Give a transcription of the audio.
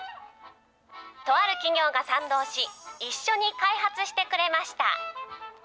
とある企業が賛同し、一緒に開発してくれました。